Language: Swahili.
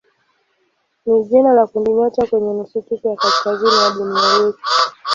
ni jina la kundinyota kwenye nusutufe ya kaskazini ya dunia yetu.